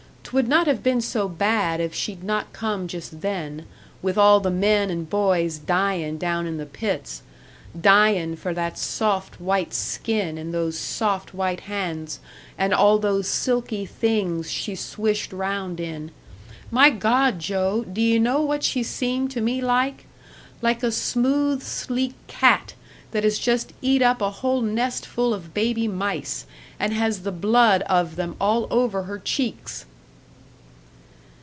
'Twould not have been so bad, if she'd not come just then, with all the men and boys dyin' down in the pits dyin' for that soft, white skin, and those soft, white hands, and all those silky things she swished round in. My God, Joe d'ye know what she seemed to me like? Like a smooth, sleek cat that has just eat up a whole nest full of baby mice, and has the blood of them all over her cheeks!"